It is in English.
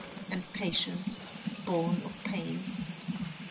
And patience born of pain.